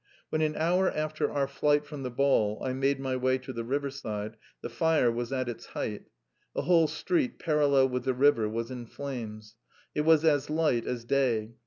When an hour after our flight from the ball I made my way to the riverside, the fire was at its height. A whole street parallel with the river was in flames. It was as light as day.